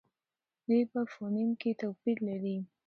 دوی په فونېم کې توپیر لري.